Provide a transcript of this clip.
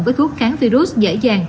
với thuốc kháng virus dễ dàng